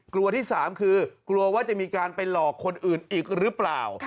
กลัวที่สามคือกลัวว่าจะมีการไปหลอกคนอื่นอีกหรือเปล่า